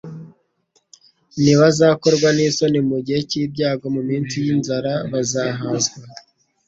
«Ntibazakorwa n'isoni mu gihe cy'ibyago, mu minsi y'inzara, bazahazwa".»